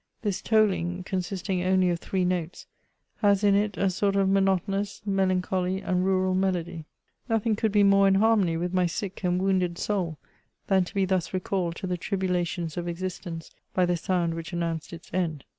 This tolling, consisting only of three notes, has in it a sort of monotonous, melancholy, and rural melody. Nothing could 140 , MEMOIRS OF be more in harmony with my sick and wounded soul, than to be thus recalled to the tribulations of existence, by the sound which announced its end.